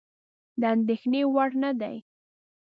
د اندېښنې وړ نه دي.